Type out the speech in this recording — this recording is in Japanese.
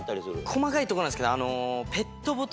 細かいとこなんですけど。